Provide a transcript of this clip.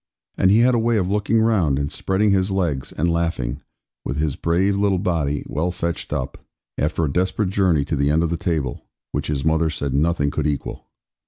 And he had a way of looking round, and spreading his legs, and laughing, with his brave little body well fetched up, after a desperate journey to the end of the table, which his mother said nothing could equal.